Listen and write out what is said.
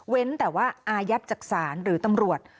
เว้นแต่ว่าอายับจักษานหรือตำรวจ